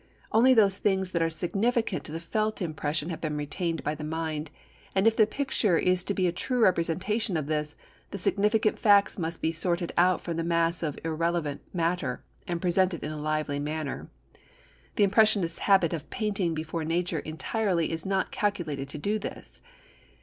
Only those things that are significant to the felt impression have been retained by the mind; and if the picture is to be a true representation of this, the significant facts must be sorted out from the mass of irrelevant matter and presented in a lively manner. The impressionist's habit of painting before nature entirely is not calculated to do this.